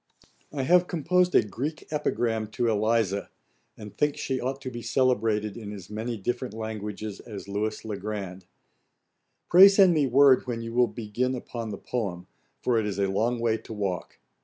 I have composed a Greek epigram to Eliza, and think she ought to be celebrated in as many different languages as Lewis le Grand. Pray send me word when you will begin upon the poem, for it is a long way to walk.